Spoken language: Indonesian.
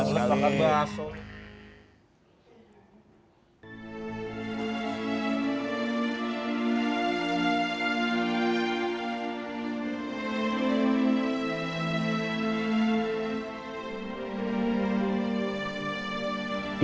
males banget bahasanya